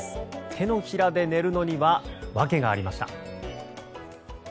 手のひらで寝るのには訳がありました。